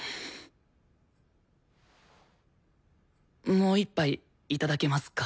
もう一杯いただけますか？